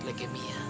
gita terkena penyakit